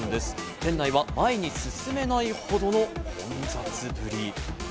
店内は前に進めないほどの混雑ぶり。